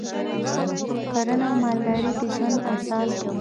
کرنه او مالداري د ژوند اساس و